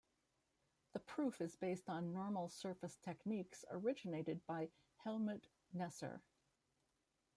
The proof is based on normal surface techniques originated by Hellmuth Kneser.